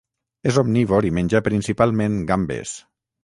És omnívor i menja principalment gambes.